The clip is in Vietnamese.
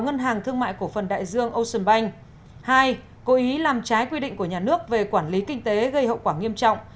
một cố ý làm trái quy định của nhà nước về quản lý kinh tế gây hậu quả nghiêm trọng